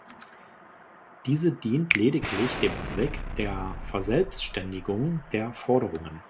Diese dient lediglich dem Zweck der Verselbstständigung der Forderungen.